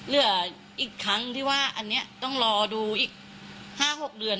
เหลืออีกครั้งที่ว่าอันนี้ต้องรอดูอีก๕๖เดือน